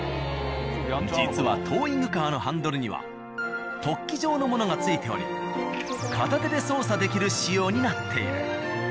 実はトーイングカーのハンドルには突起状のものが付いており片手で操作できる仕様になっている。